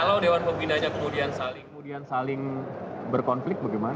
kalau dewan pembinanya kemudian saling berkonflik bagaimana